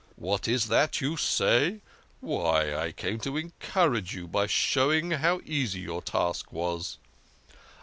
" What is that you say ? Why, I came to encourage you by showing you how easy your task was."